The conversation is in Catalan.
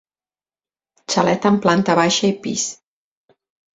Xalet amb planta baixa i pis.